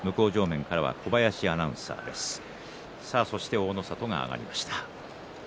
大の里が上がりました。